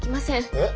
えっ？